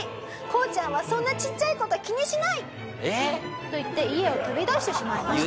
こうちゃんはそんなちっちゃい事気にしない！」と言って家を飛び出してしまいます。